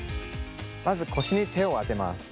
まず腰に手を当てます。